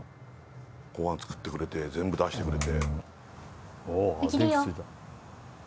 ご飯作ってくれて全部出してくれて。